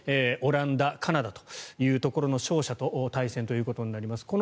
オランダ、カナダというところの勝者と対戦ということになります。